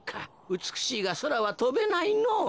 うつくしいがそらはとべないのぉ。